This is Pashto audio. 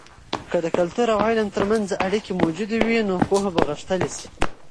که د کلتور او علم ترمنځ اړیکې موجودې وي، نو پوهه به غښتلې سي.